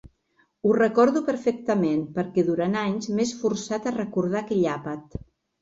Ho recordo perfectament perquè durant anys m'he esforçat a recordar aquell àpat.